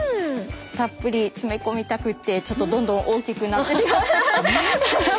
たっぷり詰め込みたくってちょっとどんどん大きくなってハハハッ！